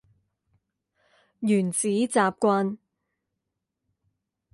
原子習慣